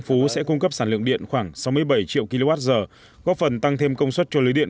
phú sẽ cung cấp sản lượng điện khoảng sáu mươi bảy triệu kwh góp phần tăng thêm công suất cho lưới điện